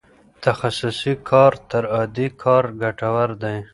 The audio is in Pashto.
تخصصي کار تر عادي کار ګټور دی.